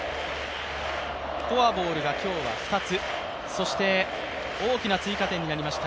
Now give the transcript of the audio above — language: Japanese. フォアボールが今日は２、大きな追加点になりました